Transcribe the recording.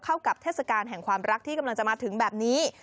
เข้ากับเทศกาลแห่งความรักที่กำลังจะมาถึงแบบนี้